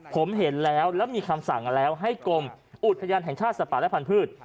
ผมเห็นแล้วแล้วมีคำสั่งมาแล้วให้กรมอุทยานแห่งชาติสัตว์ป่าและพันธุ์